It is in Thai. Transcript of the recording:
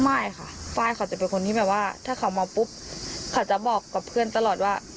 ไม่ค่ะไฟล์เขาจะเป็นคนที่แบบว่าถ้าเขามาปุ๊บเขาจะบอกกับเพื่อนตลอดว่า